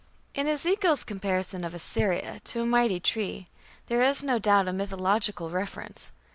In Ezekiel's comparison of Assyria to a mighty tree, there is no doubt a mythological reference.